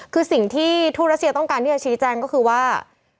คือสิ่งที่ทูตรัสเซียต้องการที่จะชี้แจงก็คือว่า